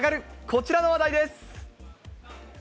こちらの話題です。